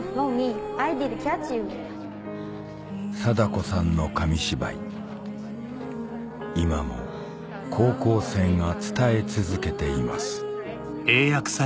禎子さんの今も高校生が伝え続けています